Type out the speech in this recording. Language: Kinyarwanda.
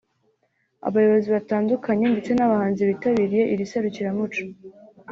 abayobozi batandukanye ndetse n’abahanzi bitabiriye iri serukiramuco